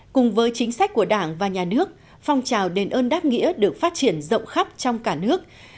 cùng với chính sách của đảng và nhà nước phong trào đền ơn đáp nghĩa được phát triển rộng khắp trong cả nước